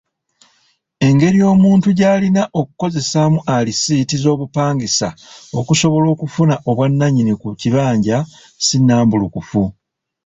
Engeri omuntu gy'alina okukozesaamu alisiiti z’obupangisa okusobola okufuna obwannannyini ku kibanja si nnambulukufu.